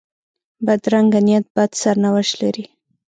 بدرنګه نیت بد سرنوشت لري